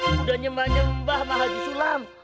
udah nyembah nyembah sama haji sulam